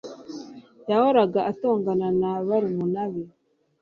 yahoraga atongana na barumuna be